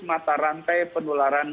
mata rantai penularan